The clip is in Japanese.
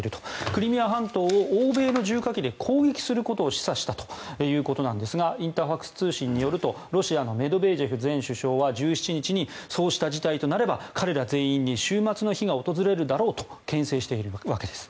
クリミア半島を欧米の重火器で攻撃することを示唆したということですがインタファクス通信によるとロシアのメドベージェフ前首相は１７日にそうした事態となれば彼ら全員に終末の日が訪れるだろうとけん制しているわけです。